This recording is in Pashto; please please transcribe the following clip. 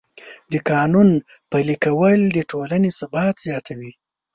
د قانون پلي کول د ټولنې ثبات زیاتوي.